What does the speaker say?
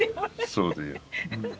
そうだよ。